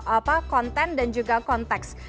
apa konten dan juga konteks